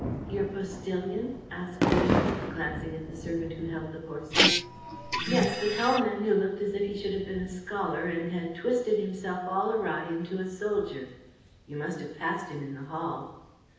"Your postillion?" asked Whittington, glancing at the servant who held the horses. "Yes, the tall man who looked as if he should have been a scholar and had twisted himself all awry into a soldier. You must have passed him in the hall."